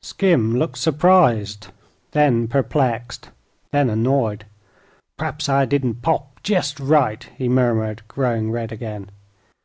Skim looked surprised; then perplexed; then annoyed. "P'raps I didn't pop jest right," he murmured, growing red again.